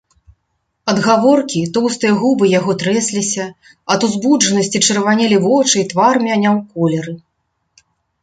Ад гаворкі тоўстыя губы яго трэсліся, ад узбуджанасці чырванелі вочы і твар мяняў колеры.